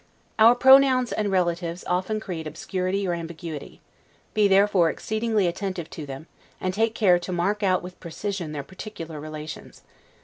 Our pronouns and relatives often create obscurity or ambiguity; be therefore exceedingly attentive to them, and take care to mark out with precision their particular relations.